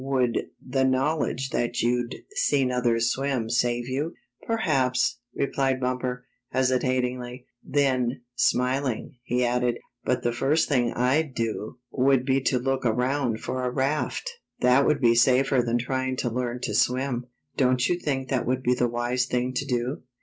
Would the knowledge that you'd seen others swim save you?" " Perhaps," replied Bumper, hesitatingly. Then, smiling, he added: " But the first thing I'd do would be to look around for a raft. That would be safer than trying to learn to swim. Don't you think that would be the wise thing to do?"